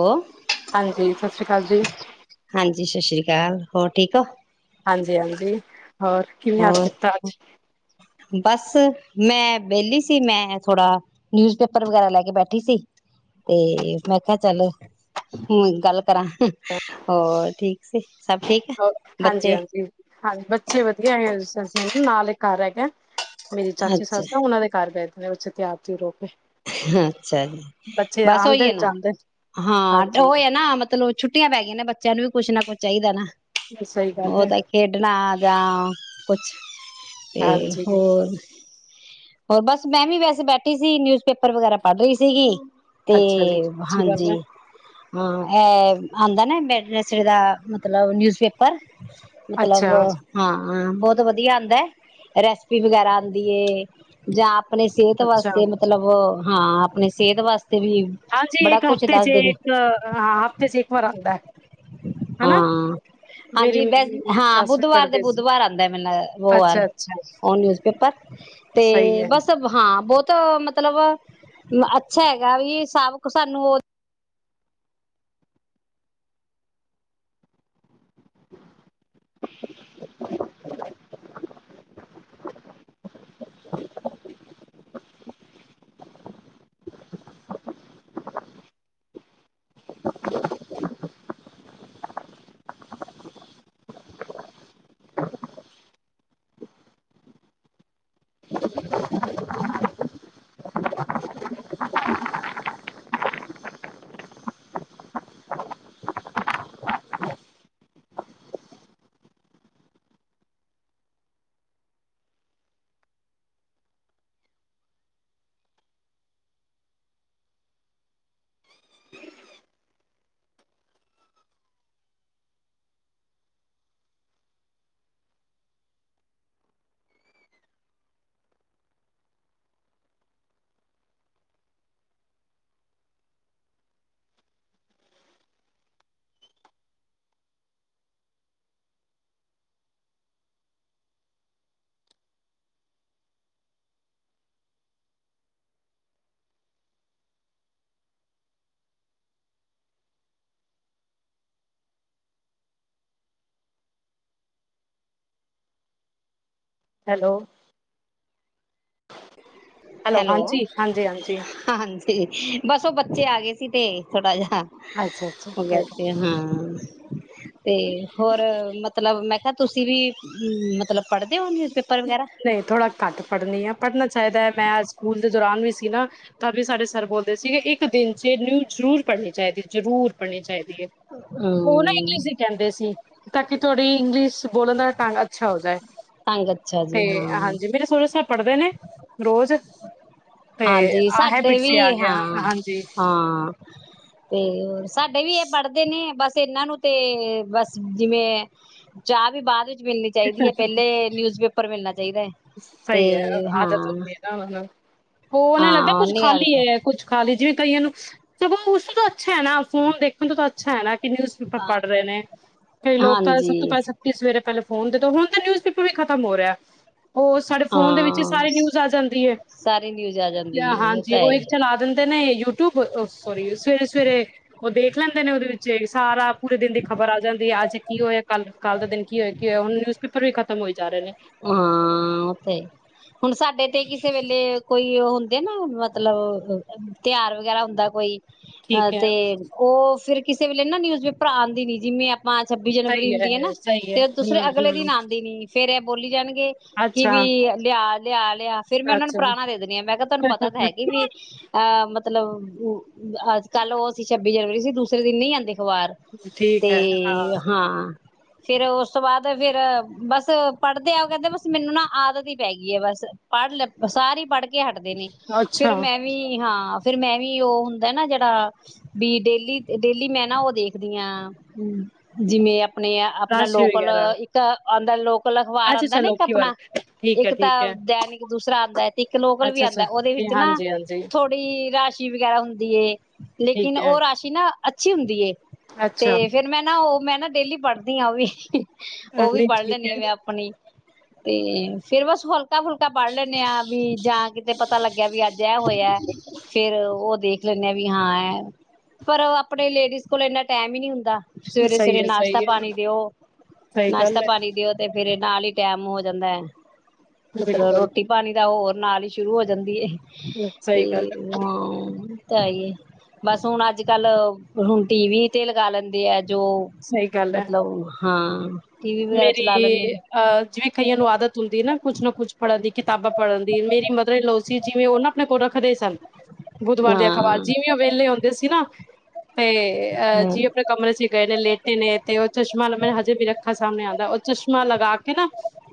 ਹੋ ਹਾਂਜੀ। ਸ਼੍ਰੀ ਅਕਾਲ ਜੀ, ਹਾਂਜੀ ਸਤਿ ਸ੍ਰੀ ਅਕਾਲ ਕਯਾ ਹਾਲ ਹੋਰ ਠੀਕ ਹੋ ਹਾਂਜੀ ਹਾਂਜੀ ਹੋਰ ਬਸ ਮੈਂ ਵਿਹਲੀ ਸੀ ਮੈਂ ਥੋੜਾ ਨਿਊਜ ਪੇਪਰ ਵਗੈਰਾ ਲੈ ਕੇ ਬੈਠੀ ਸੀ ਤੇ ਮੈਂ ਕਿਹਾ ਚੱਲ ਹ ਗੱਲ ਕਰਾਂ ਹੋਰ ਠੀਕ [inaudible] ਹੈ ਹਾਂਜੀ ਬੱਚੇ ਹਾਂਜੀ ਹਾਂਜੀ ਬੱਚੇ ਵਧੀਆ ਹੈ। ਮੈਨੂੰ ਨਾਲ ਮੈਨੂੰ ਨਾਲ ਹੀ ਕਾਰ ਹੈ। ਹੈ। ਮੇਰੀ ਚਾਚੀ ਅੱਛਾ ਸੱਸ ਆ ਉਹਨਾਂ ਦੇ ਘਰ ਗਏ। ਬੱਚੇ ਤਿਆਰ ਤੂਰ ਹੋ ਕੇ ਅੱਛਾ ਜੀ ਬੱਚੇ ਬਸ ਉਹੀ ਆਂਦੇ ਹੈ ਨੇ ਨਾ ਜਾਂਦੇ ਨੇ। ਹਾਂ ਹਾਂਜੀ, ਉਹ ਹੈ ਨਾ ਮਤਲਬ ਛੁੱਟੀਆਂ ਪੈ ਗਈਆਂ ਨੇ ਬੱਚਿਆਂ ਨੂੰ ਵੀ ਕੁਛ ਨਾ ਕੁਛ ਚਾਹੀਦਾ ਨਾ। ਸਹੀ ਗੱਲ ਉਹ ਹੈ, ਤਾਂ ਖੇਡਣਾ ਆ ਜਾਂ ਕੁਛ ਤੇ ਹਾਂਜੀ ਹੋਰ ਹੋਰ ਬਸ ਮੈਂ ਵੀ ਵੈਸੇ ਬੈਠੀ ਸੀ ਨਿਊਜ਼ਪੇਪਰ ਵਗੈਰਾ ਪੜ੍ਹ ਰਹੀ ਸੀਗੀ। ਤੇ ਅੱਛਾ ਜੀ, ਅੱਛੀ ਗੱਲ ਹਾਂਜੀ ਹੈ, ਹਾਂ ਇਹ ਆਂਦਾ ਨਾ ਮੈ [unintelligible] ਦਾ ਮਤਲਬ ਨਿਊਜ਼ ਪੇਪਰ ਮਤਲਬ ਹਾਂ। ਹਾਂ ਬਹੁਤ ਵਧੀਆ ਆਉਂਦਾ ਹੈ, ਰੈਸਪੀ ਵਗੈਰਾ ਆਉਂਦੀ ਏ। ਜਾਂ ਆਪਣੀ ਸਿਹਤ ਅੱਛਾ-ਅੱਛਾ ਵਾਸਤੇ ਮਤਲਬ ਹਾਂ ਆਪਣੀ ਸਿਹਤ ਵਾਸ ਤੇ ਵੀ ਹਾਂਜੀ ਬੜਾ ਇੱਕ ਕੁਛ ਹਫ਼ਤੇ ਚ ਦੱਸਦੇ ਨੇ। ਇੱਕ ਹਾਂ ਹਫ਼ਤੇ ਚ ਇੱਕ ਵਾਰ ਆਂਦਾ ਹਾਂ ਹਨਾ, ਮੇਰੀ ਹਾਂਜੀ ਵਸ ਮੇਰੀ ਹਾਂ ਸੱਸ ਵੀ ਬੁੱਧਵਾਰ ਦੇ ਪੜ੍ਹਦੇ ਸੀ, ਬੁੱਧਵਾਰ ਆਉਂਦਾ ਮੈਨੂੰ ਲਗ ਸੋਮਵਾਰ ਅੱਛਾ-ਅੱਛਾ ਉਹ ਨਿਊਜਪੇਪਰ। ਤੇ ਸਹੀ ਹੈ, ਬਸ ਅਬ ਹਾਂ ਹਾਂ ਬਹੁਤ ਮਤਲਬ ਅੱਛਾ ਹੈਗਾ ਵੀ ਸਬ ਕੁ ਸਾਨੂੰ ਉਹ [inaudible] ਹੈਲੋ। ਹੈਲੋ, ਹਾਂਜੀ-ਹਾਂਜੀ-ਹਾਂਜੀ ਹਾਂਜੀ। ਬਸ ਉਹ ਬੱਚੇ ਆ ਗਏ ਸੀ ਤੇ ਥੋੜਾ ਜਿਹਾ ਹਾਂ, ਅੱਛਾ-ਅੱਛਾ ਹੋ ਗਿਆ ਕੋਈ ਗੱਲ ਸੀ ਨੀ। ਹਾਂ। ਤੇ ਹੋਰ ਮਤਲਬ ਮੈਂ ਕਿਹਾ ਤੁਸੀਂ ਵੀ ਮਤਲਬ ਪੜ੍ਹਦੇ ਹੋ ਨਿਊਜ਼ ਪੇਪਰ ਵਗੈਰਾ ਨਹੀਂ ਥੋੜਾ ਘੱਟ ਪੜ੍ਹਨੀ ਆ। ਪੜ੍ਹਨਾ ਚਾਹੀਦਾ ਹੈ ਮੈਂ ਸਕੂਲ ਦੇ ਦੌਰਾਨ ਵੀ ਸੀ ਨਾ ਤਾਂ ਵੀ ਸਾਡੇ ਸਰ ਬੋਲਦੇ ਸੀਗੇ ਇੱਕ ਦਿਨ ਚ ਨਿਊਜ ਜ਼ਰੂਰ ਪੜ੍ਹਨੀ ਚਾਹੀਦੀ ਹੈ ਜ਼ਰੂਰ ਪੜ੍ਹਨੀ ਚਾਹੀਦੀ ਹੈ। ਉਹ ਨਾ ਹਮ ਇੰਗਲਿਸ਼ ਦੀ ਕਹਿੰਦੇ ਸੀ। ਤਾਂ ਕਿ ਤੁਹਾਡੀ ਇੰਗਲਸ਼ ਬੋਲਣ ਦਾ ਟੰਗ ਅੱਛਾ ਹੋ ਜਾਏ। ਤੰਗ ਅੱਛਾ ਤੇ ਜੀ ਹਾਂ ਹਾਂਜੀ ਮੇਰੇ ਸਹੁਰਾ ਸਾਹਿਬ ਪੜ੍ਹਦੇ ਨੇ ਰੋਜ਼ ਤੇ ਹਾਂਜੀ ਆ ਸਾਡੇ ਹੈਬਿਟ ਵੀ ਸੇ ਆ ਗਿਆ ਹਾਂ, ਹਾਂਜੀ। ਹਾਂ। ਤੇ ਹੋਰ ਸਾਡੇ ਵੀ ਇਹ ਪੜ੍ਹਦੇ ਨੇ ਬਸ ਇਹਨਾਂ ਨੂੰ ਤੇ ਬਸ ਜਿਵੇਂ ਚਾਹ ਵੀ ਬਾਅਦ ਵਿੱਚ ਮਿਲਣੀ ਚਾਹੀਦੀ ਹੈ ਪਹਿਲੇ ਨਿਊਜ਼ ਪੇਪਰ ਮਿਲਣਾ ਚਾਹੀਦਾ ਹੈ। ਤੇ ਸਹੀ ਹੈ ਆਦਤ ਹਾਂ ਹੁੰਦੀ ਹੈ ਨਾ ਮਤਲਬ ਉਹ ਨਾ ਲੱਗਦਾ ਹਾਂ ਕੁੱਛ ਉਹਨੀ ਆਦਤ ਖਾਲੀ, ਕੁੱਛ ਖਾਲੀ ਜਿਵੇਂ ਕਈਆਂ ਨੂੰ ਸਗੋ ਉਸਤੋ ਤਾਂ ਅੱਛਾ ਹੈ ਨਾ, ਫੋਨ ਦੇਖਣ ਤੋਂ ਤਾਂ ਅੱਛਾ ਹੈ ਨਾ ਕਿ ਨਿਊਜ਼ ਪੇਪਰ ਹੈ ਪੜ੍ਹ ਰਹੇ ਨੇ, ਕਈ ਲੋਕ ਤਾਂ ਸਭ ਹਾਂਜੀ ਤੋਂ ਪਹਿਲਾਂ ਸਤੀ ਸਵੇਰੇ ਪਹਿਲੇ ਹੁਣ ਦੇਖੋ ਹੁਣ ਤੇ ਨਿਊਜ਼ ਪੇਪਰ ਵੀ ਖ਼ਤਮ ਹੋ ਰਿਹਾ ਹੈ। ਉਹ ਸਾਡੇ ਫੋਨ ਦੇ ਵਿੱਚ ਹਾਂ ਸਾਰੀ ਨਿਊਜ਼ ਆ ਜਾਂਦੀ ਹੈ। ਸਾਰੀ ਨਿਊਜ਼ ਆ ਜਾਂਦੀ ਹੈ, ਹਾਂਜੀ ਤਾਂ ਹੈ ਉਹ ਹੀ। ਇੱਕ ਚਲਾ ਦਿੰਦੇ ਨੇ ਯੂ ਯੂਟਊਬ ਉਹ ਸੋਰੀ ਸਵੇਰੇ ਸਵੇਰੇ ਉਹ ਦੇਖ ਲੈਂਦੇ ਨੇ ਉਹਦੇ ਵਿੱਚ ਸਾਰਾ ਪੂਰੇ ਦਿਨ ਦੀ ਖ਼ਬਰ ਆ ਜਾਂਦੀ ਹੈ, ਅੱਜ ਕੀ ਹੋਇਆ ਕੱਲ ਕੱਲ ਦੇ ਦਿਨ ਕੀ ਹੋਇਆ ਕੀ ਹੋਇਆ ਹੁਣ ਨਿਉਜ ਪੇਪਰ ਵੀ ਖਤਮ ਹੋਈ ਜਾ ਰਹੇ ਨੇ। ਹਾਂ। ਹਾਂ ਉੱਥੇ ਹੁਣ ਸਾਡੇ ਤੇ ਕਿਸੇ ਵੇਲੇ ਕੋਈ ਤੋ ਹੁੰਦੇ ਨਾ ਮਤਲਬ ਤਿਆਰ ਵਗੈਰਾ ਹੁੰਦਾ ਕੋਈ ਹਾਂ ਠੀਕ ਹੈ ਤੇ ਉਹ ਫਿਰ ਕਿਸੇ ਵੇਲੇ ਨਾ ਨਿਊਜ਼ ਪੇਪਰਾ ਆਂਦੀ ਨੀ ਜਿਵੇਂ ਮਾ ਛੱਬੀ ਜਨਵਰੀ ਸਹੀ ਹੁੰਦੀ ਐ ਹੈ ਨਾ ਸਹੀ ਹੈ ਤੇ ਦੂਸਰੇ ਹਮ ਅਗਲੇ ਹਮ ਦਿਨ ਆਂਦੀ ਨੀ ਫਿਰ ਇਹ ਬੋਲੀ ਜਾਨ ਕੇ ਕਿ ਵੀ ਅੱਛਾ ਲਿਆ ਲਿਹਾਜ ਲਿਆ ਫਿਰ ਮੈਂ ਉਹਨਾਂ ਨੂੰ ਅੱਛਾ ਪੁਰਾਣਾ ਦੇ ਦੇਣੀ ਆ ਮੈਂ ਕਿਹਾ ਤੁਹਾਨੂੰ ਪਤਾ ਹੈ ਕਿ ਵੀ ਆ ਮਤਲਬ ਉ ਅੱਜ ਕੱਲ ਉਹ ਸੀ ਛੱਬੀ ਜਨਵਰੀ ਸੀ। ਦੂਸਰੇ ਦਿਨ ਨਹੀਂ ਆਉਂਦੇ ਵਾਰ ਤੇ ਹਾਂ ਫਿਰ ਉਸ ਤੋਂ ਬਾਅਦ ਫਿਰ ਬਸ ਪੜਦੇ ਆ, ਉਹ ਕਹਿੰਦੇ ਬਸ ਮੈਨੂੰ ਨਾ ਆਦਤ ਹੀ ਪੈ ਗਈ ਐ, ਬਸ ਪੜ ਸਾਰੀ ਪੜ ਏ ਹਟਦੇ ਨੇ ਫਿਰ ਮੈਂ ਵੀ ਹਾਂ ਆ ਫਿਰ ਮੈਂ ਵੀ ਉਹ ਹੁੰਦਾ ਨਾ ਜਿਹੜਾ ਵੀ ਡੇਲੀ, ਡੇਲੀ ਮੈਂ ਨਾ ਉਹ ਦੇਖਦੀ ਆਂ ਜਿਵੇਂ ਆਪ ਆਪਣੇ ਆਪਣਾ ਲੋਕਲ ਇੱਕ ਅਂਦਰ ਲੋਕ ਅਖਬਾਰ ਆਉਂਦਾ ਨਾ ਇੱਕ ਆਪਣਾ ਇੱਕ ਤਾਂ ਦੈਨਿਕ ਦੂਸਰਾ ਆਉਂਦਾ ਤੇ ਇੱਕ ਲੋਕਲ ਵੀ ਆਉਂਦਾ ਉਹਦੇ ਵਿੱਚ ਨਾ ਥੋੜੀ ਰਾਸ਼ ਕੀ ਵਗੈਰਾ ਹੁੰਦੀ ਏ ਲੇਕਿਨ ਉਹ ਰਾਸ਼ੀ ਨਾ ਅੱਛੀ ਹੁੰਦੀ ਏ ਤੇ ਫਿਰ ਮੈਂ ਨਾ ਉਹ ਮੈਂ ਨਾ ਡੇਲੀ ਪੜਦੀ ਆ ਉਹ ਵੀ। ਉਹ ਵੀ ਪੜ੍ਹ ਲੈਨੀ ਮੈਂ ਆਪ ਤੇ ਫਿਰ ਬਸ ਹਲ ਹਲਕਾ ਫੁਲਕਾ ਪੜ ਲੈਨੇ ਆ ਵੀ ਜਾਂ ਕਿਤੇ ਪਤਾ ਲੱਗਿਆ ਵੀ ਅੱਜ ਇਹ ਹੋਇਆ ਫਿਰ ਉਹ ਦੇਖ ਲੈਨੇ ਵੀ ਹਾਂ ਐ ਪਰ ਉਹ ਆਪਣੇ ਲੇਡੀਜ਼ ਕੋਲ ਇਨਾ ਟੈਮ ਹੀ ਨਹੀਂ ਹੁੰਦਾ। ਸਵੇਰੇ ਸਵੇਰੇ ਨਾਸ਼ਤਾ ਪਾਣੀ ਦਿਓ, ਨਾਸ਼ਤਾ ਪਾਣੀ ਦਿਓ ਤੇ ਮੇਰੇ ਨਾਲ ਹੀ ਟੈਮ ਹੋ ਜਾਂਦਾ ਹੈ। ਮਤਲਬ ਬਿਲਕੁਲ ਰੋਟੀ ਪਾਣੀ ਦਾ ਹੋਰ ਨਾਲ ਹੀ ਸ਼ੁਰੂ ਹੋ ਜਾਂਦੀ ਏ। ਸਹੀ ਗੱਲ ਇਹ ਹੈ ਹਾਂ ਤਾਂ ਈਏ, ਬਸ ਹੁਣ ਅੱਜ ਕੱਲ ਹੁਣ ਟੀ ਵੀ ਤੇ ਲਗਾ ਲੈਂਦੇ ਆ। ਜੋ ਸਹੀ ਗੱਲ ਹੈ ਮਤਲਬ ਹਾਂ ਟੀ ਵੀ ਵਗੈਰਾ ਮੇਰੀ ਚਲਾ ਲੈਂਦੇ ਅਹ ਜਿਵੇਂ ਕਈਆਂ ਨੂੰ ਆਦਤ ਹੁੰਦੀ ਨਾ ਕੁਛ ਨਾ ਕੁਛ ਪੜ੍ਹਨ ਦੀ ਕਿਤਾਬਾਂ ਪੜ੍ਹਨ ਦੀ ਮੇਰੀ ਮਦਰ ਈਨ ਲੋ ਸੀ ਜਿਵੇਂ ਉਹ ਨਾ ਆਪਣੇ ਕੋਲ ਰੱਖਦੇ ਸਨ। ਬੁੱਧਵਾਰ ਦੀ ਅਖ਼ਬਾਰ ਹਾਂ ਜਿਵੇਂ ਔਹ ਵੇਹਲੇ ਆਉਂਦੇ ਸੀ ਨਾ ਤੇ ਅ ਹਮ ਜੀ ਆਪਣੇ ਕਮਰੇ ਸੀ ਗਏ ਨੇ ਲੈਟ ਨੇ ਤੇ ਉਹ ਚਸ਼ਮਾ ਲ ਮ ਹਜੇ ਅੱਖਾਂ ਸਾਹਮਣੇ ਆਉਂਦਾ, ਉਹ ਚਸ਼ਮਾ ਲਗਾ ਕੇ ਨਾ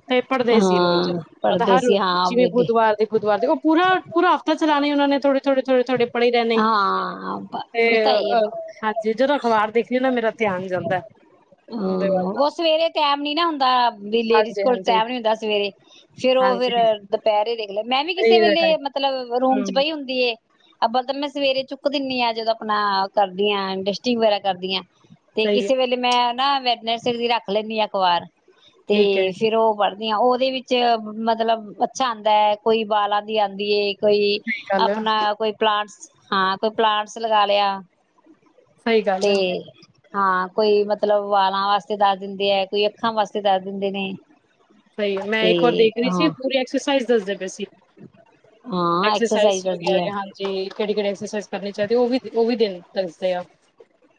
ਤੇ ਪੜ੍ਹਦੇ ਸੀ ਰੋਜ਼ ਹਾਂ ਮਤਲਬ ਹਰ ਪਰਦੇਸੀ ਹਾਂ ਜਿਵੇਂ ਵੇਲੇ ਬੁੱਧਵਾਰ ਦੇ ਬੁੱਧਵਾਰ ਉਹ ਪੂਰਾ ਪੂਰਾ ਹਫ਼ਤਾ ਲਾਣੇ ਉਹ ਨੇ ਥੋੜੇ, ਥੋੜ, ਥੋੜੇ, ਥੋੜੇ। ਫੜੇ ਰਹਿਣੇ ਹਾਂ ਤੇ ਉਹ ਤਾਂ ਹੀ ਅ ਹਾਂਜੀ ਜਦੋਂ ਅਖ਼ਬਾਰ ਦੇਖਣੀ ਨਾ ਮੇਰਾ ਧਿਆਨ ਜਾਂਦਾ ਉਹਦੇ ਵੱਲ ਹਾਂ ਨਾ। ਔਹ ਸਵੇਰੇ ਟਾਈਮ ਨੀ ਨਾ ਹੁੰਦਾ ਵੀ ਲੇਡੀਜ਼ ਕੋਲ ਹਾਂਜੀ-ਹਾਂਜੀ, ਟੈਮ ਨੀ ਹੁੰਦਾ ਸਵੇਰੇ ਫੇਰ ਉਹ ਹਾਂਜੀ ਫੇਰ ਦੁਪਹਿਰੇ ਦੇਖ ਲ ਮੈਂ ਵੀ ਕਿਸੇ ਰੀਲ ਦਾ ਵੇਲੇ ਟਾਈਮ ਮਤਲਬ, ਰੂਮ ਚ ਹੂੰ, ਪਈ ਹੁੰਦੀ ਏ ਅਬਲ ਮੈਂ ਸਵੇਰੇ ਚੁੱਕ ਦਿੰਦੀ ਆਾਂ ਜਦੋਂ ਆਪਣਾ ਕਰਦੀ ਹਾਂ ਡਸਟਿੰਗ ਵਗੈਰਾ ਕਰਦੀ ਆ ਤੇ ਸਹੀ ਐ, ਕਿਸੇ ਵੇਲੇ ਮੈਂ ਨਾ ਵੈਡਨੈਸ ਡੇ ਦੀ ਰੱਖ ਲੈਂਦੀ ਆ ਅਖਬਾਰ। ਤੇ ਠੀਕ ਐ, ਫਿਰ ਉਹ ਬਰ ਉਹਦੇ ਵਿੱਚ ਮਤਲਬ ਅੱਛਾ ਆਂਦਾ ਹੈ ਕੋਈ ਬਾਲਾਂ ਦੀ ਆਉਂਦੀ ਏ। ਕੋਈ ਸਹੀ ਗੱਲ ਐ। ਆਪਣਾ ਕੋਈ ਪਲਾਂਟਸ ਹਾਂ ਕੋਈ ਪਲਾਂਟਸ ਲਗਾ ਲਿਆ। ਸਹੀ ਗੱਲ ਤੇ ਹੈ। ਹਾਂ ਕੋਈ ਮਤ ਲਬ ਵਾਲਾਂ ਵਾਸਤੇ ਦੱਸ ਦਿੰਦੇ ਅ ਕੋਈ ਅੱਖਾਂ ਵਾਸਤੇ ਦੱ ਦਿੰਦੇ ਨੇ ਸਹੀ ਮੈਂ ਤੇ ਇੱਕ ਵਾਰ ਦੇਖ ਰਹੀ ਸੀ ਹਾਂ ਪੂਰੀ ਐਕਸਰਸਾਈਜ਼ [unintelligible] ਦੱਸੀ ਹਾਂ ਐਕਸਰਸਾਈਜ਼ ਦੱਸਦੀ ਹੈ ਵਗੈ ਹਾਂਜੀ। ਕੇੜੀ ਕੇੜੀ ਐਕਸਰ ਸਾਇਜ ਕਰਨੀ ਚਾਹੀਦੀ ਉਹ ਵੀ ਉਹ ਵੀ ਦਿਨ ਦੱਸਦੇ ਆ।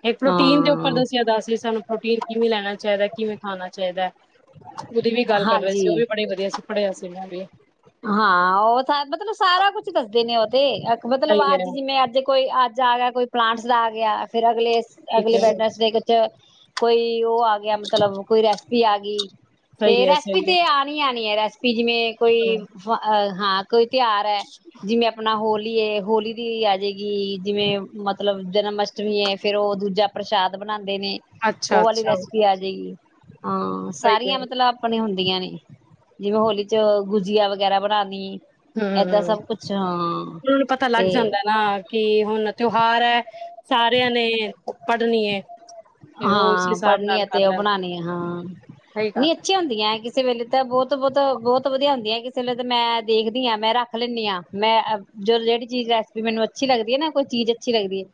ਇਹ ਪ੍ਰੋਟੀਨ ਦੇ ਉੱਪਰ ਹਾਂ ਦੱਸਿਆ ਦਾ ਸੀ ਸਾਨੂੰ ਪ੍ਰੋਟੀਨ ਕਿਵੇਂ ਲੈਣਾ ਚਾਹੀਦਾ, ਕਿਵੇਂ ਖਾਣਾ ਚਾਹੀਦਾ ਐ। ਉਦੀ ਵੀ ਗੱਲ ਵੈਸੇ ਉਹ ਹਾਂਜੀ ਵੀ ਬੜੀ ਵਧੀਆ ਸੀ। ਪੜ੍ਹਿਆ ਸੀ ਮੈਂ ਵੀ। ਹਾਂ ਉਹ ਸਾ ਮਤਲਬ ਸਾਰਾ ਕੁਛ ਦੱਸਦੇ ਨੇ ਉਹ ਤੇ ਅਖ ਮਤਲਬ ਸਹੀ ਹੈ ਅੱਜ ਜਿਵੇਂ ਅੱਜ ਕੋਈ ਆ ਜਾ ਆ ਗਿਆ ਕੋਈ ਪਲਾਂਟਸ ਦਾ ਆ ਗਿਆ ਫਿਰ ਅ ਅਗਲੇ ਠੀਕ ਅਗਲੇ ਹੈ ਵੈਡਨਸਡੇ ਕੁਛ ਕੋਈ ਔ ਆ ਗਿਆ ਮਤਲਬ ਕੋਈ ਰੈਸਪੀ ਆ ਗੀ। ਤੇ ਸਹੀ ਹੈ ਰੈਸਪੀ ਸਹੀ ਹੈ ਤੇ ਆਣੀ ਆਣੀ ਐ ਰੈਸਪ ਜਿਵੇਂ ਕੋਈ ਹਮ ਅ ਹ ਹਾਂ। ਕੋਈ ਤਿਉਹਾਰ ਹੈ ਜਿਵੇਂ ਆਪਣਾ ਹੋਲ ਹੋਲੀ ਏ। ਹੋਲੀ ਦੀ ਆ ਜੇਗੀ ਜਿਵੇਂ ਮਤਲਬ ਜਨਮ ਅਸ਼ਟਮੀ ਏ ਫੇਰ ਓਹ ਦੂਜਾ ਪ੍ਰਸ਼ਾਦ ਬਣਾ ਦੇ ਨੇ ਅੱਛਾ ਔ ਵਾਲੀ ਅੱਛਾ ਰੈਸਪੀ ਆ ਜੇਗੀ। ਹਾਂ, ਸਹੀ ਹੈ ਸਾਰੀਆਂ ਮਤਲਬ ਆਪਣੇ ਹੁੰਣ ਦੀਆਂ ਨੇ ਜਿਵੇਂ ਹੋਲੀ ਚ ਗੁਜੀਆ ਵਗ ਵਗੈਰਾ ਬਣਾਉਣੀ। ਏਦਾਂ ਹਮ, ਸਭ ਕੁਛ ਹਾਂ ਉਹਨਾਂ ਨੂੰ ਪਤਾ ਤੇ ਲੱਗ ਜਾਂਦਾ ਹੈ ਨਾ ਕਿ ਹੁਣ ਤਿੳ ਬਾ੍ਹਰ ਹੈ, ਸਾਰਿਆਂ ਨੇ ਪੜ੍ਹਨੀ ਏ। ਹਾਂ ਪੜ੍ਹਨੀ ਐ ਤੇ ਔ ਬਣਾਉਣੀ ਐ ਹਾਂ ਸਹੀ ਗੱਲ ਨੀ ਹੈ ਅੱਛੀਆਂ ਹੁੰਦੀਐ ਕਿਸ ਇਸੇ ਵੇਲੇ ਤਾਂ ਬੋਤ ਬੌਤ, ਬੌਤ ਵਧੀਆ ਹੁੰਦੀਐ ਕਿਸੇ ਵੇਲੇ ਤਾਂ ਮੈਂ ਦੇਖਦੀ ਆਂ ਮੈਂ ਰੱਖ ਲੈਂਦੀ ਆਂ ਮੈਂ ਜੋ ਜਿਹੜੀ ਚੀਜ਼ ਰੈਸਪੀ ਮੈਨੂੰ ਅੱਛੀ ਲੱਗਦੀ ਏ ਨਾ ਕੋਈ ਚੀਜ਼ ਅੱਛੀ ਲੱਗਦੀ ਏ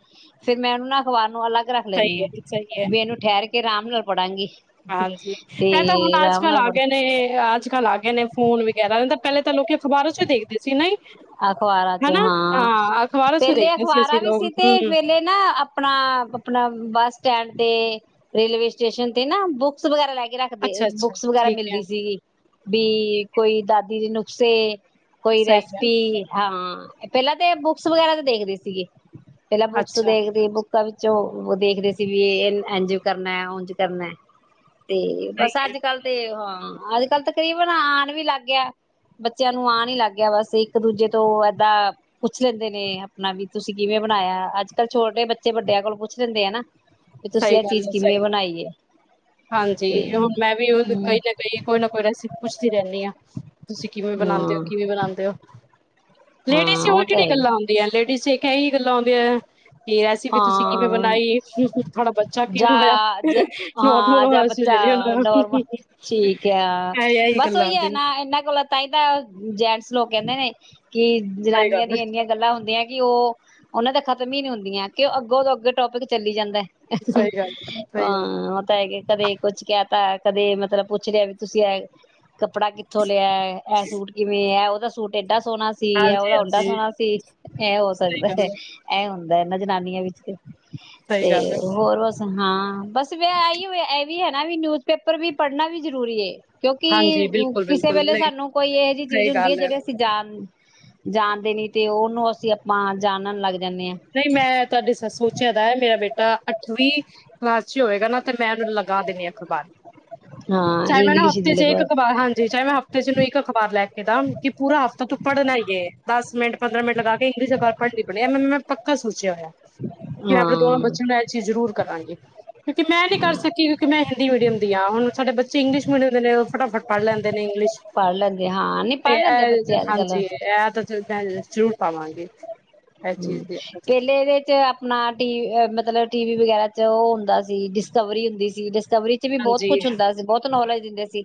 ਫਿਰ ਮੈਂ ਉਹਨੂੰ ਨਾ ਅਖ਼ਬਾਰ ਨੂੰ ਅਲੱਗ ਰੱਖ ਸਹੀ ਲੈਂਣੀ ਆ। ਹੈ ਸਹੀ ਹੈ ਮੈਨੂੰ ਠਹਿਰ ਕ ਕੇ ਅਰਾਮ ਨਾਲ ਪੜ੍ਹਅੰਗੀ । ਹਾਂਜੀ ਐ ਤਾਂ ਹੁਣ ਅੱਜ ਕੱਲ੍ਹ ਆ ਪੜ ਗੇ ਨੇ ਅੱਜ ਕੱਲ੍ਹ ਆ ਗੇ ਨੇ ਫੋਨ ਵਗੈਰਾ ਨੇ ਤਾਂ ਪਹਿਲਾਂ ਤਾਂ ਲੋ ਕੀ ਅਖ਼ਬਾਰਾਂ ਚ ਦੇਖਦੇ ਸੀ ਨਹੀਂ। ਅਖਬਾਰਾਂ ਚ ਹਨਾ? ਹਾਂ ਅਖ਼ਬਾਰਾਂ 'ਚ ਪਹਿਲੇ ਦੇਖਦੇ ਅਖਬਾਰਾ ਅਸੀਂ ਵੀ ਲੋਕ ਸੀ ਹੂੰ, ਤੇ ਵੇਲੇ ਨਾ ਆਪਣਾ ਆਪਣਾ bus stand railway station ਤੇ ਨਾ ਬੁੱਕਸ ਵਗੈਰਾ ਲੈ ਕੇ ਰਖਦੇ ਅੱਛਾ-ਅੱਛਾ ਬੁੱਕਸ ਵਗੈਰਾ ਠੀਕ ਐ, ਮਿਲਦੀ ਸੀਗੀ ਬੀ ਕੋਈ ਦਾਦ ਦੀ ਨੁਕਸੇ। ਕੋਈ ਸਹੀ ਰੈਸ ਐ, ਪੀ ਹਾਂ ਪਹਿਲਾਂ ਤੇ ਬੁੱਕਸ ਵਗੈਰਾ ਤੇ ਦੇਖਦੇ ਸੀਗੇ। ਪਹਿਲਾਂ ਬੁੱਕਸ ਅੱਛਾ ਦੇਖ ਰਦੀ ਬੁੱਕ ਬੂਕਾਂ ਵਿੱਚੋਂ ਦੇਖਦੇਹੇ ਸੀ ਵੀ ਇਹ ਏੰੰਝ ਕਰਨਾ ਉੰਝ ਕਰਨਾ। ਤੇ ਸਹੀ ਬਸ ਐ, ਅੱਜ ਕੱਲ ਤੇ ਹਾਂ। ਹਾਂ ਅੱਜ ਕੱਲ ਤਕਰੀਬਨ ਆਣ ਵੀ ਲੱਗ ਗਿਆ, ਬੱਚਿਆਂ ਨੂੰ ਆਣ ਹੀ ਲੱਗ ਗਿਆ ਬਸ ਇੱਕ ਇੱਕ ਦੂਜੇ ਤੋਂ ਏਦਾਂ ਪੁੱਛ ਲੈਂਦੇ ਨੇ ਆਪਣਾ ਵੀ ਤੁਸੀਂ ਕਿਵੇਂ ਬਣਾਇਆ ਅੱਜ ਕੱਲ੍ਹ ਛੋਟੇ ਬੱਚੇ ਵੱਡਿਆਂ ਕੋਲ ਪੁੱਛ ਲੈਂਦੇ ਆ ਨਾ ਵੀ ਤੁਸੀਂ ਸਹੀ ਇਹ ਗੱਲ ਚੀਜ਼ ਹੈ, ਸਹੀ ਕਿਵੇਂ ਬਣਾਈ ਹੈ ਹਾਂਜੀ ਤੇ ਹੁਣ ਮੈਂ ਵੀ ਉਹ ਹਮ ਕਈ ਨਾ ਕਈ ਕੋਈ ਨਾ ਕੋਈ ਰੈਸਪੀ ਪੁੱਛਦੀ ਰਹਿੰਦੀ ਹਾਂ ਤੁਸੀਂ ਕਿਵੇਂ ਬਣਾਉਂਦੇ ਹੋ, ਹਾਂ ਕਿਵੇਂ ਬਣਾਉਦੇ ਹੋ। ਲੇਡੀਜ਼ ਹਾਂ ਹੀ ਉਹ ਹੁਣ ਤਾਂ ਕਿਹੜੀਆ ਹੈ ਗੱਲਾਂ ਹੁੰਦੀਆਂ ਲੇਡੀਜ਼ ਚ ਕਈ ਗੱਲਾਂ ਆਉਂਦੀਆਂ। ਐ ਰੈਸਿਪੀ ਤੁਸੀਂ ਕਿਵੇਂ ਹਾਂ ਬਣਾਈ। ਬੱਚਾ ਜਾ ਕਿਵੇਂ ਹੋਇਆ ਨੋਰਮਲ ਹਾਂ ਜਾਂ ਹੋਇਆ ਸੀ ਇਹੀ ਬੱਚਾ ਨੋਰਮਲ ਠੀਕ ਆ ਇਹੀ ਬਸ ਗੱਲਾਂ ਉਹੀ ਹੈ, ਆਉਂਦੀਆਂ ਨਾ ਇਹਨਾਂ ਕੋਲ ਤਾਂ ਹੀ ਤਾਂ ਜੈਂਟਸ ਨੂੰ ਲੋਕ ਕਹਿੰਦੇ ਨੇ ਕਿ ਸਹੀ ਜਨਾਨੀਆਂ ਗੱਲ ਦੀਆਂ ਇੰਨੀਆਂ ਗੱਲਾਂ ਹੁੰਦੀਆਂ ਕਿ ਉਹ ਉਹਨਾਂ ਤਾਂ ਖਤਮ ਹੀ ਨੀ ਹੁੰਦੀਆਂ। ਕਿ ਉਹ ਅੱਗੋ ਤੋਂ ਅੱਗੇ ਟੋਪਿਕ ਚੱਲ ਜਾਂਦਾ। ਹਾਂ ਸਹੀ ਗੱਲ ਸਹੀ ਗੱਲ ਉਹ ਤਾਂ ਹੈ ਕਦੇ ਕੁੱਛ ਕਹਿ ਤਾ ਕਦੇ ਮਤਲਬ ਪੁੱਛ ਰਿਹਾ ਵੀ ਤੁਸੀਂ ਐ ਕੱਪੜਾ ਕਿੱਥੋਂ ਲਿਆ ਇਹ ਸੂਟ ਕਿਵੇਂ ਹੈ। ਔ ਦਾ ਸੂਟ ਏਡਾ ਸੋਹਣਾ ਸੀ, ਐ ਹਾਂਜੀ ਉਹਦਾ ਓਡਾ ਹਾਂਜੀ ਸੋਹਣਾ ਸੀ, ਇਹ ਹੋ ਸਹੀ ਸਕਦਾ ਹੈ ਗੱਲ ਇਹ ਹੁੰ ਜਨਾਨੀਆਂ ਵਿੱਚ ਤੇ, ਸਹੀ ਤੇ ਗੱਲ ਹੈ, ਹੋਰ ਬਸ ਹਾਂ ਬਸ ਵ ਇਹੀ ਇਹ ਵੀ ਹੈ ਨਾ ਵੀ ਨਿਊਜ਼ ਪੇਪਰ ਵੀ ਪੜ੍ਹਨਾ ਵੀ ਜ਼ਰੂਰੀ ਏ ਕਿਉਂਕਿ ਹਾਂਜੀ ਬਿਲਕੁਲ ਕਿਸੇ ਬਿਲਕੁਲ ਵੇਲੇ ਨਹੀਂ ਸਾਨੂੰ ਕੋਈ ਇਹੋ ਜਿਹੀ ਚੀਜ਼ ਸਹੀ ਹੁੰਦੀ ਹੈ ਗੱਲ ਜਿਹੜੀ ਅਸੀਂ ਜਾਣ ਜਾਣਦੇ ਨੀ ਤੇ ਔਹਨੂੰ ਅਸੀਂ ਆਪਾਂ ਜਾਣਣ ਲੱਗ ਜਾਂਦੇ ਹਾਂ। ਨਹੀਂ ਮੈਂ, ਤੁਹਾਡੇ ਸੋਚਿਆ ਦਾ ਮੇਰਾ ਬੇਟਾ ਅੱਠਵੀਂ ਕਲਾਸ ਚ ਹੋਵੇਗਾ ਨਾ ਫੇਰ ਮੈਂ ਉਹਨੂੰ ਲਗਾ ਦਿੰਨੀ ਆ ਅਖ਼ਬਾਰ, ਹਾਂ ਚਾਹੇ ਮੈਂ ਨਾ ਇੰਗਲਿਸ਼ ਦੀ ਹਫ਼ਤੇ ਚ ਲ ਇੱਕ ਅਖ਼ਬਾਰ ਹਾਂਜੀ ਚਾਹੇ ਮੈਂ ਹਫ਼ਤੇ ਚ ਇਹਨੂੰ ਇੱਕ ਅਖ਼ਬਾਰ ਲੈ ਕੇ ਦਾ ਕਿ ਪੂਰਾ ਹਫ਼ਤਾ ਤੂੰ ਪੜ੍ਹਨਾ ਹੀ ਏ ਦਸ ਮਿੰਟ ਪੰਦਰ ਮਿੰਟ ਲਗਾ [unintelligible] ਪੱਕਾ ਸੁ ਚ ਆਇਆ ਕਿ ਹੋਇਆ ਆਪਣੇ ਦੋਨੋ ਹਾਂ ਬੱਚਿਆਂ ਨੂੰ ਇਹ ਚੀਜ਼ ਜ਼ਰੂਰ ਕਰਾਂਗੀ, ਕਿਉਂਕਿ ਮੈਂ ਨੀ ਕਰ ਸਕੀ ਕਿਉਂਕਿ ਮੈਂ ਹਿੰਦੀ ਮੀਡੀਅਮ ਦੀ ਹਾਂ ਹੁਣ ਸਾਡੇ ਬੱਚੇ ਇੰਗਲਿਸ਼ ਮੀਡੀਅਮ ਦੇ ਨੇ ਫਟਾਫਟ ਪੜ੍ਹ ਲੈਂਦੇ ਨੇ ਇੰਗਲਿਸ਼, ਪੜ੍ਹ ਲੈਂਦੇ ਹਾਂ ਨਹੀਂ ਤੇ ਪੜ੍ਹ ਲੈਂਦੇ ਇਹ ਬੱਚੇ ਅੱਜ ਕੱਲ ਹਾਂਜੀ ਇਹ ਤਾਂ ਮੈਂ ਜ਼ਰੂਰ ਪਾਵਾਂਗੀ। ਇਹ ਚੀਜ਼ ਹੂੰ ਦੀ ਪਹਿਲੇ ਇਹਦੇ ਚ ਆਪਣਾ ਟੀ ਮਤਲਬ ਟੀਵੀ ਵਗੈਰਾ ਚ ਉਹ ਹੁੰਦਾ ਸੀ ਡਿਸਕਵਰੀ ਹੁੰਦੀ ਸੀ। ਸਬਰੀ ਚ ਵੀ ਬਹੁਤ ਹਾਂਜੀ ਕੁਛ ਹੁੰਦਾ ਸੀ, ਬਹੁਤ ਨੌਲੇਜ ਦਿੰਦੇ ਸੀ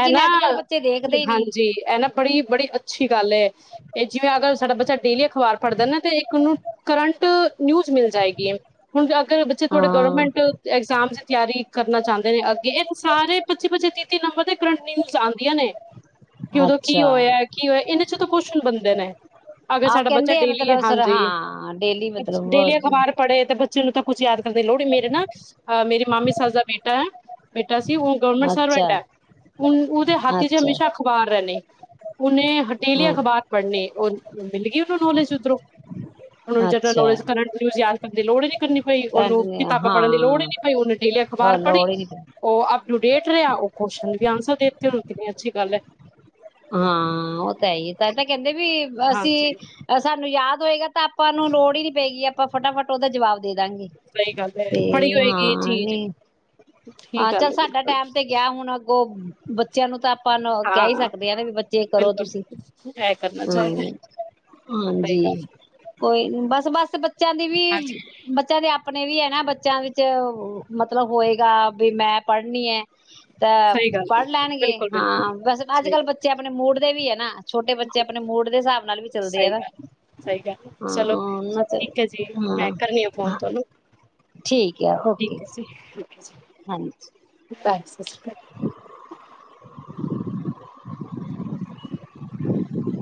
ਇਹ ਨਾ ਅੱਜ ਕੱਲ੍ਹ ਬੱਚੇ ਦੇਖਦੇ ਹੀ ਨਹੀਂ ਹਾਂਜੀ ਇਹ ਨਾ ਬੜੀ ਬੜੀ ਅੱਛੀ ਗੱਲ ਹੈ, ਇਹ ਜਿਵੇਂ ਅਗਰ ਸਾਡਾ ਬੱ ਜਦ ਡੇਲੀ ਅਖ਼ਬਾਰ ਪੜ੍ਹਦਾ ਨਾ ਤੇ ਇੱਕ ਔਨੂੰ ਕਰੰਟ, ਨਿਊਜ ਮਿਲ ਜਾਏਗੀ, ਹੁਣ ਅਗਰ ਬੱਚੇ ਥੋੜੇ ਹਾਂ ਗਵਰਮੈਂਟ ਐਗਜ਼ਾਮ ਦੀ ਤਿਆਰੀ ਕਰਨਾ। ਜਾਂਦੇ ਨੇ ਅੱਗੇ ਇਹ ਤਾਂ ਸਾਰੇ ਪੱਚੀ-ਪੱਚੀ, ਤੀਹ- ਤੀਹ ਨੰਬਰ ਤੇ ਕਰੰਟ ਨਿਊਜ਼ ਆਦੀਆਂ ਨੇ। ਕਿ ਉਦੋਂ ਅੱਛਾ ਕੀ ਹੋਇਆ ਕੀ ਹੋਇਆ ਇਹਨ ਚ ਤਾਂ ਕੁਛ ਬੰਦੇ ਨੇ, ਅਗਰ ਆਹੋ ਸਾਡਾ ਬੱਚਾ ਕਹਿੰਦੇ ਆ ਡੇਲੀ ਮਤਲਬ ਸਰ ਹਾਂਜੀ, ਹਾਂ ਡੇਲੀ ਮਤਲਬ ਡੇਲੀ ਅਖ਼ਬਾਰ ਪੜ੍ਹੇ ਤੇ। ਚਲੋ ਤਾਂ ਕੁੱਝ ਯਾਦ ਦੇ ਲੋਹੜੀ ਮੇਰੇ ਨਾ ਆ ਮੇਰੀ ਮਾਮੀ ਸੱਸ ਦਾ ਬੇਟਾ ਬੇਟਾ ਸੀ, ਉਹ ਗਵਰਮੈਂਟ ਅੱਛਾ ਸਰਵੈਂਟ ਹੈ। ਹੁਣ ਉਹਦੇ ਹੱਥ ਚ ਅੱਛਾ ਹਮੇਸ਼ਾ ਅਖ਼ਬਾਰ ਰਹਿੰਣੇ। ਉਹਨੇ ਡੇਲੀ ਹਾਂ ਅਖ਼ਬਾਰ ਪੜ੍ਹਨੀ ਉਹ ਮਿਲ ਗਈ, ਉਹਨੂੰ ਨੌਲੇਜ ਉਧਰੋਂ ਉਹ ਨੂੰ ਅੱਛਾ ਜਨਰਲ ਨਜ ਕਰੰਟ ਨਿਊਜ਼ ਯਾਦ ਕਰਨ ਦੀ ਲੋੜ ਹੀ ਨੀ ਕਰਨੀ ਪਈ ਕਰੰਟ ਉਹਨੂੰ ਨੇ ਕਿਤਾਬਾਂ ਹਾਂ ਪੜ੍ਹਨ ਦੀ ਲੋੜ ਹੀ ਨੀ ਪਈ ਉਹਨੂੰ ਡੇਲੀ ਅਖ਼ਬਾਰ ਉਹ ਪੜ੍ਹੀ ਲੋੜ ਹੀ ਨੀ ਉਹ ਅਪ ਟੂ ਡੇਟ ਰਿਹਾ ਉਹ ਖੁਸ਼। ਕਿ ਅੰਨਸਰ ਦੇਤੇ ਹੋਣ ਕਿਨੀ ਅੱਛੀ ਗੱਲ ਐ। ਹਾਂ ਉਹ ਤਾਂ ਹੈ ਹੀ ਤਾਂ ਤਾਂ ਕਹਿੰਦੇ ਵੀ ਅਸੀਂ ਹਾਂਜੀ ਸਾਨੂੰ ਯਾਦ ਹੋਏਗਾ। ਤਾਂ ਆਪਾਂ ਨੂੰ ਲੋੜ ਹੀ ਨੀ ਪਏਗੀ ਆਪਾਂ ਫਟਾਫਟ ਉਹਦਾ ਜਵਾਬ ਦੇਦਾਂਗੇ ਸਹੀ ਗੱਲ ਹੈ ਤੇ ਪੜ੍ਹੀ ਹੋਏਗੀ ਇਹ ਹਾਂ ਚੀਜ਼ ਨਹੀਂ ਠੀਕ ਹਾਂ ਚੱਲ ਗੱਲ ਹੈ ਸਾਡਾ ਬਿਲਕੁਲ ਟੈਮ ਤੇ ਗਿਆ ਹੁਣ ਅ ਔ ਬੱਚਿਆਂ ਨੂੰ ਤਾਂ ਆਪਾਂ ਨੂੰ ਕਹਿ ਹੀ ਹਾਂ ਸਕ ਕਹਿੰਦੇ ਵੀ ਬੱਚੇ ਕਰੋ ਬਿਲਕੁਲ ਤੁਸੀਂ, ਇਹ ਕਰਨਾ ਚਾਹੀਦਾ ਹੁੰ ਸਹੀ ਹਾਂਜੀ ਗੱਲ ਕੋਈ ਬਸ [unintelligible] ਬੱਚਿਆਂ ਦੀ ਵੀ ਹਾਂਜੀ ਬੱਚਿਆਂ ਦੇ ਆ ਆਪਣੇ ਵੀ ਹੈ ਨਾ ਬੱਚਿਆਂ ਵਿੱਚ ਮਤਲਬ ਹੋਏਗਾ, ਵੀ ਮੈਂ ਪੜ੍ਹਨੀ ਹੈ। ਤਾਂ ਸਹੀ ਗੱਲ ਪੜ੍ਹ ਲੈਣਗੇ, ਬਿਲਕੁਲ ਬਿਲਕੁਲ ਹਾਂ ਵੈਸੇ ਸਹੀ ਅੱਜ-ਕੱਲ੍ਹ ਗੱਲ ਬੱਚੇ ਆਪਣੇ ਮੂਡ ਦੇ ਵੀ ਆਂ ਨਾ, ਛੋਟੇ ਬੱਚੇ ਆਪਣੇ ਮੂਡ ਦੇ ਹਿਸਾਬ ਨਾਲ ਵੀ ਚੱਲਦੇ ਆ ਸਹੀ ਨਾ, ਗੱਲ ਸਹੀ ਗੱਲ ਹਾਂ ਚਲੋ ਉਹਨਾਂ ਤੇ ਠੀਕ ਹੈ ਜੀ ਮੈਂ ਕਰਨੀ ਆ ਫੋਨ ਹਾਂ ਤੁਹਾਨੂੰ ਠੀਕ ਆ ਓਕੇ ਠੀਕ ਹੈ ਜੀ। ਠੀਕ ਹੈ ਜੀ, ਹਾਂਜੀ ਬਾਏ ਸਤਿ ਸ਼੍ਰੀ ਅਕਾਲ [inaudible]